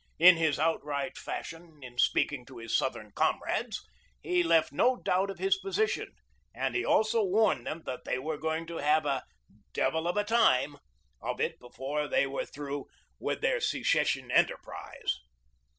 In his outright fashion in speaking to his Southern comrades, he left no doubt of his position, and he also warned them that they were going to have a "devil of a time" of it before they were through with their secession enterprise.